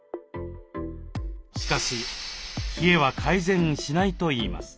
しかし冷えは改善しないといいます。